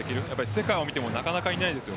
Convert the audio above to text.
世界を見てもなかなかいないです。